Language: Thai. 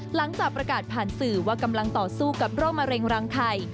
หลังจากประกาศผ่านสื่อว่ากำลังต่อสู้กับโรคมะเร็งรังไข่